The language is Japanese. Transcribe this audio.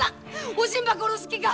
おしんば殺す気か！